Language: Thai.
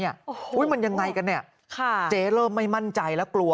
มันยังไงกันเนี่ยเจ๊เริ่มไม่มั่นใจแล้วกลัว